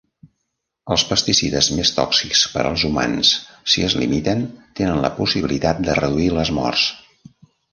Els pesticides més tòxics per als humans, si es limiten, tenen la possibilitat de reduir les morts.